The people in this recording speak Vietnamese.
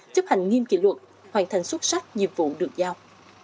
chấp hành nghiêm kỷ luật hoàn thành xuất sắc nhiệm vụ được giao